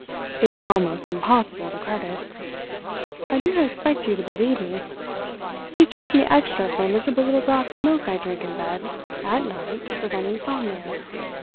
It is almost impossible to credit. I do not expect you to believe me—he has charged me extra for a miserable little glass of milk I drink in bed at night to prevent insomnia.